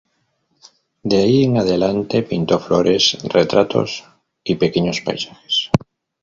De ahí en adelante pintó flores, retratos y pequeños paisajes.